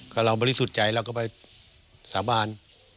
ก็เราบริสุทธิ์ใจเราก็ไปสาบาน